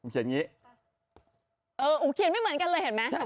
เขียนไม่เหมือนกันเลยเห็นไหม